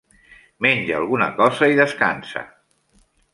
Menja alguna cosa i descansa.